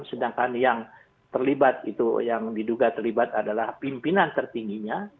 sedangkan yang terlibat itu yang diduga terlibat adalah pimpinan tertingginya